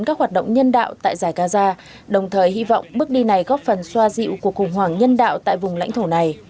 bộ ngoại giao trung quốc cũng tuyên bố hoan nghênh các hoạt động nhân đạo tại giải gaza đồng thời hy vọng bước đi này góp phần xoa dịu cuộc khủng hoảng nhân đạo tại vùng lãnh thổ này